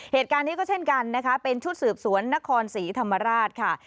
เหตุการณ์นี้ก็เช่นกันนะคะเป็นชุดสืบสวนนครศรีธรรมราชค่ะ